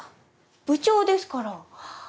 部長ですから！